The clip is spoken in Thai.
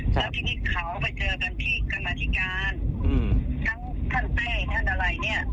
แล้วทีนี้เขาไปเจอกันที่กรรมธิการทั้งท่านเต้ท่านอะไรเนี่ย